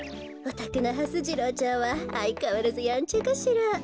おたくのはす次郎ちゃんはあいかわらずやんちゃかしら？